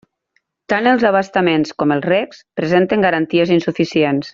Tant els abastaments com els regs presenten garanties insuficients.